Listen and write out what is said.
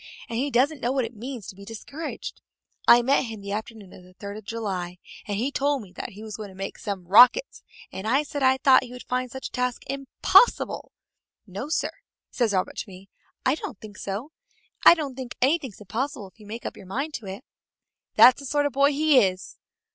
And he doesn't know what it means to be discouraged. I met him the afternoon of the third of July and he told me that he was going to make some rockets, and I said I thought he would find such a task impossible. 'No, sir,' says Robert to me, 'I don't think so. I don't think anything's impossible if you make up your mind to do it.' That's the sort of boy he is!"